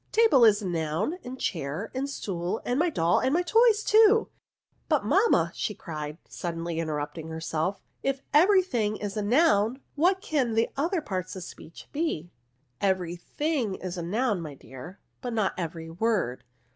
Table is a noun, and chair, and stool, and my doll, and my toys, too: — but, mamma," cried she, suddenly interrupting herself, if every thing is a noun, what can the other parts of speech be?" " Every thing is a noun, my dear ; but not every word.